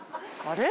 あれ？